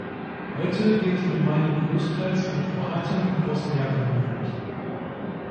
Heute wird die Gemeinde großteils von Kroaten und Bosniaken bewohnt.